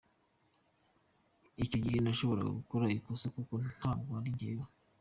Icyo gihe nashoboraga gukora ikosa kuko ntabwo nari njyewe.